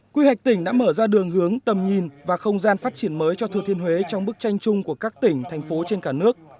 quy hoạch tỉnh đã mở ra đường hướng tầm nhìn và không gian phát triển mới cho thừa thiên huế trong bức tranh chung của các tỉnh thành phố trên cả nước